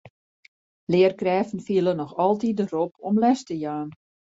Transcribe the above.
Learkrêften fiele noch altyd de rop om les te jaan.